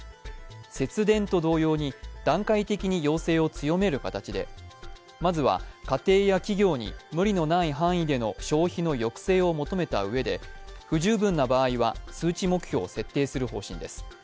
節電と動揺に段階的に要請を強める形でまずは、家庭や企業に無理のない範囲での消費の抑制を求めたうえで、不十分な場合は、数値目標を設定する方針です。